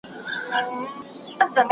زه مخکي د کتابتوننۍ سره خبري کړي وو!؟